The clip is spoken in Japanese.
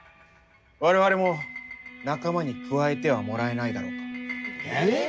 我々も仲間に加えてはもらえないだろうか。ええ！？